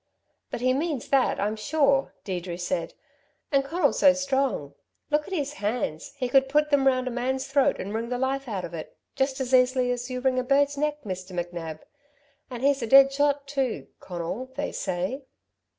"But he means that, I'm sure," Deirdre said. "And Conal's so strong. Look at his hands. He could put them round a man's throat and wring the life out of it just as easily as you wring a bird's neck, Mr. McNab. And he's a dead shot, too, Conal they say."